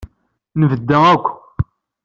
Nbedda akkw.